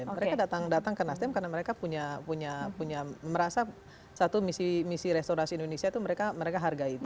mereka datang datang ke nasdem karena mereka punya merasa satu misi misi restorasi indonesia itu mereka hargai itu